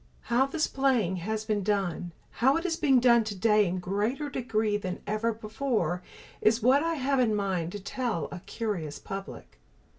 How this playing has been done, how it is being done today in greater degree than ever before, is what I have in mind to tell a curious public.